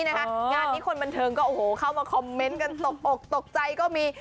งานนี้คนบันเทิงก็โอ้โหเข้ามาคอมเมนต์กันตกอกตกใจก็มี